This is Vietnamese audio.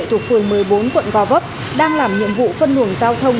thuộc phường một mươi bốn quận gò vấp đang làm nhiệm vụ phân luồng giao thông